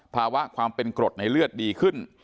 ภาวะความเป็นกรดในเลือดดีขึ้น